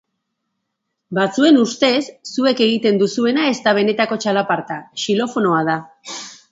Batzuen ustez, zuek egiten duzuena ez da benetako txalaparta, xilofonoa da.